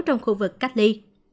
trong khu vực cách ly